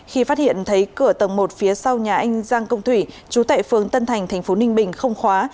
khi phát hiện thấy cửa tầng một phía sau nhà anh giang công thủy chú tại phường tân thành thành phố ninh bình không khóa